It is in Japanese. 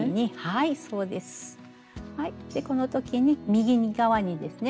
はいでこの時に右側にですね